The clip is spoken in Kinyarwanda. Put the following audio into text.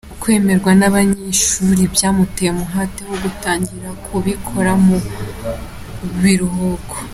Kwemerwa n’abanyeshuri byamuteye umuhate wo gutangira kubikora no mu biruhuko.